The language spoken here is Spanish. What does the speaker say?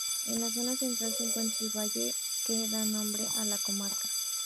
En la zona central se encuentra el valle que da nombre a la comarca.